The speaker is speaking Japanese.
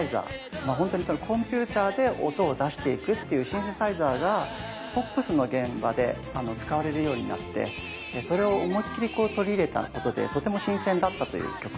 まあほんとにそのコンピューターで音を出していくっていうシンセサイザーがポップスの現場で使われるようになってそれを思いっきりこう取り入れたことでとても新鮮だったという曲になってます。